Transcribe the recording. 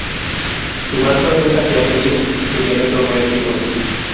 Su masa nunca se ha medido, y su diámetro no es bien conocido.